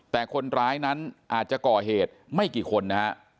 แต่คนร้ายนั้นอาจจะก่อเหตุไม่กี่คนนะฮะ